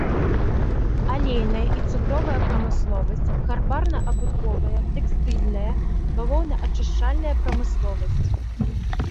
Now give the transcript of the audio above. Алейная і цукровая прамысловасць, гарбарна-абутковая, тэкстыльная, бавоўнаачышчальная прамысловасць.